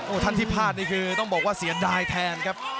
ท่านที่พลาดนี่คือต้องบอกว่าเสียดายแทนครับ